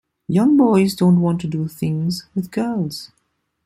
Young boys don't want to do things with girls.